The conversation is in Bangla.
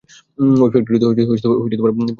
ওই ফ্যাক্টরিতে পুলিশ পাঠিও না।